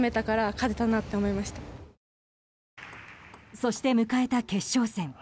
そして、迎えた決勝戦。